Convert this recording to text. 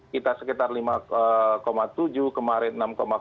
kita sekitar lima tujuh kemarin enam tujuh